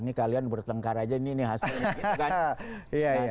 ini kalian bertengkar aja ini hasilnya gitu kan